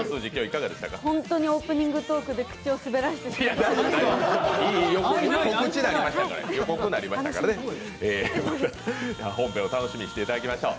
本当にオープニングトークで口を滑らせてしまいました。